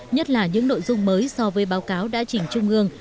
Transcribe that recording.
nhất là những nội dung mới so với báo cáo đã trình trung ương